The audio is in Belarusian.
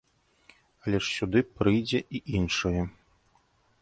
Але ж сюды прыйдзе і іншае.